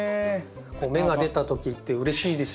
芽が出た時ってうれしいですよね。